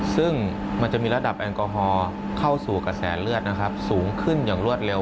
ซึ่งมันจะมีระดับแอลกอฮอล์เข้าสู่กระแสเลือดนะครับสูงขึ้นอย่างรวดเร็ว